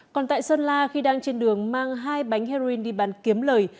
còn tại sơn la khi đang trên đường mang hai bánh heroin đi bán kiếm lời